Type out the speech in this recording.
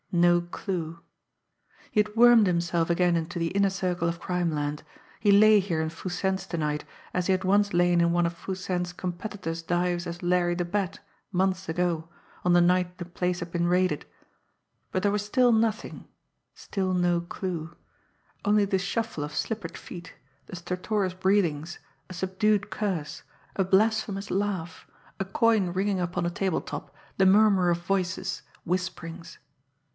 No clue! He had wormed himself again into the inner circle of crimeland; he lay here in Foo Sen's to night, as he had once lain in one of Foo Sen's competitor's dives as Larry the Bat, months ago, on the night the place had been raided but there was still nothing still no clue only the shuffle of slippered feet, the stertorous breathings, a subdued curse, a blasphemous laugh, a coin ringing upon a table top, the murmur of voices, whisperings!